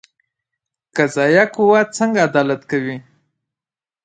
قضایه قوه څنګه عدالت کوي؟